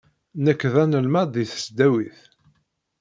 Nekk d anelmad deg tesdawit.